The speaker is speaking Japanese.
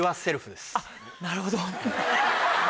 なるほど！